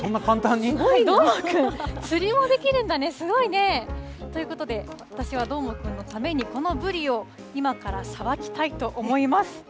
どーもくん、釣りもできるんだね、すごいね。ということで、私はどーもくんのために、このブリを今からさばきたいと思います。